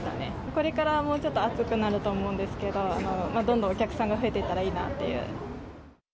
これからもうちょっと暑くなると思うんですけど、どんどんお客さんが増えていったらいいなっていう。